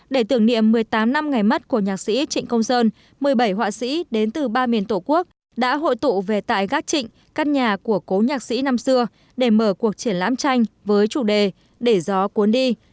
để tưởng niệm một mươi tám năm ngày mất của nhạc sĩ trịnh công sơn một mươi bảy họa sĩ đến từ ba miền tổ quốc đã hội tụ về tại gác trịnh căn nhà của cố nhạc sĩ năm xưa để mở cuộc triển lãm tranh với chủ đề để gió cuốn đi